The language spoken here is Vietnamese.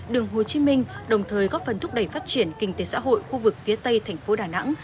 tỉnh hồ chí minh đồng thời góp phần thúc đẩy phát triển kinh tế xã hội khu vực phía tây tp đà nẵng